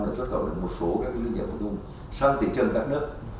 đã xuất khẩu được một số các doanh nghiệp phụ trung sang thị trấn các nước